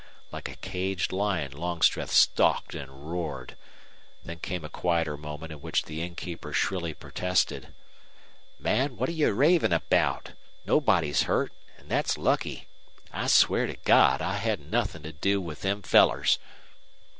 Like a caged lion Longstreth stalked and roared. There came a quieter moment in which the innkeeper shrilly protested: "Man, what're you ravin' aboot? Nobody's hurt, an' thet's lucky. I swear to God I hadn't nothin' to do with them fellers!"